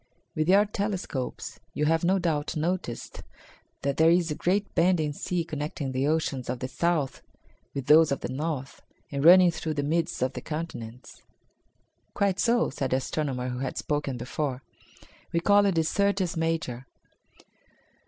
"With your telescopes you have no doubt noticed that there is a great bending sea connecting the oceans of the south with those of the north and running through the midst of the continents." "Quite so," said the astronomer who had spoken before, "we call it the Syrtis Major."